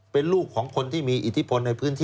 เป็นลูกของคนที่มีอิทธิพลในพื้นที่